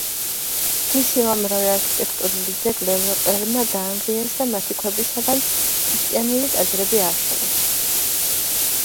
მისი უამრავი არქიტექტურული ძეგლი ევროპელებმა დაანგრიეს და მათი ქვებისგან ქრისტიანული ტაძრები ააშენეს.